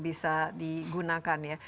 bisa digunakan ya